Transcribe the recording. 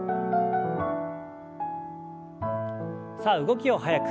さあ動きを速く。